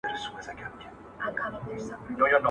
• چي زه او ته راضي، څه او څه غيم د قاضي.